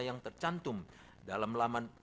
yang tercantum dalam laman